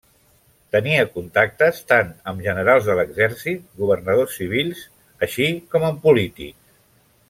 Tenia contactes tant amb generals de l’exèrcit, governadors civils, així com amb polítics.